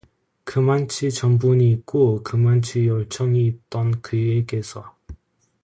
그만치 천분이 있고 그만치 열정이 있던 그에게서